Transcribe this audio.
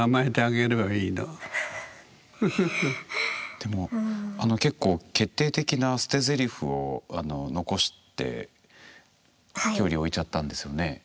でも結構決定的な捨てぜりふを残して距離を置いちゃったんですよね？